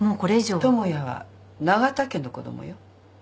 智也は永田家の子供よ。